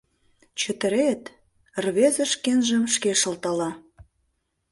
Чытырет? — рвезе шкенжым шке шылтала.